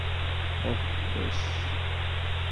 ওহ, বেশ!